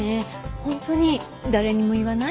本当に誰にも言わない？